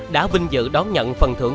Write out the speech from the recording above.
đã vinh dự đón nhận phần thưởng